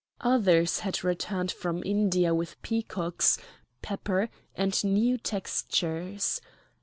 Others had returned from India with peacocks, pepper, and new textures.